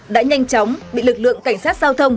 đã nhanh chóng bị lực lượng cảnh sát giao thông